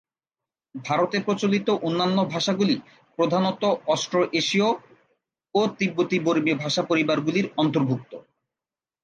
ভারতে প্রচলিত অন্যান্য ভাষাগুলি প্রধানত অস্ট্রো-এশীয় ও তিব্বতী-বর্মী ভাষা পরিবারগুলির অন্তর্ভুক্ত।